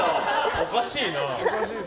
おかしいな。